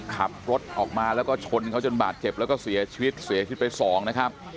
ขับรถออกมาแล้วก็ชนเขาจนบาดเจ็บแล้วก็เสียชีวิตเสียชีวิตไปสองนะครับ